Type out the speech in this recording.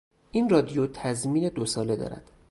این رادیو تضمین دو ساله دارد.